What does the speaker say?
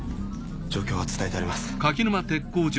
状況は伝えてあります。